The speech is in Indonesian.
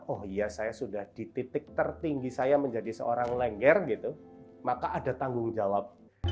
oh iya saya sudah di titik tertinggi saya menjadi seorang lengger gitu maka ada tanggung jawab